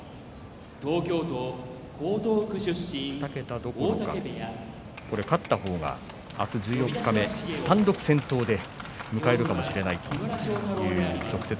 ２桁どころか勝った方が明日、十四日目単独先頭で迎えるかもしれない